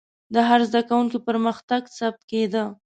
د هر زده کوونکي پرمختګ ثبت کېده.